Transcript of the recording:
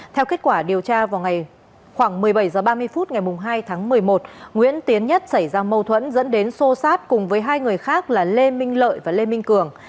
theo kết quả điều tra vào khoảng một mươi bảy h ba mươi phút ngày hai tháng một mươi một nguyễn tiến nhất xảy ra mâu thuẫn dẫn đến xô sát cùng với hai người khác là lê minh lợi và lê minh cường